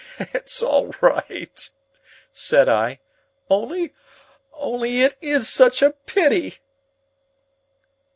"It's all right," said I. "Only only it is such a pity!"